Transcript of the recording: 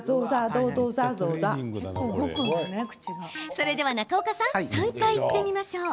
それでは中岡さん３回言ってみましょう。